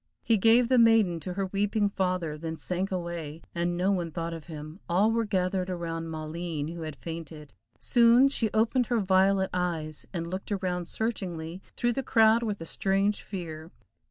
He gave the maiden to her weeping father, then sank away, and no one thought of him, all were gathered around Maleen, who had fainted. Soon she opened her violet eyes, and looked around searchingly through the crowd with a strange fear.